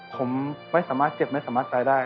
ผมไม่สามารถเจ็บไม่สามารถตายได้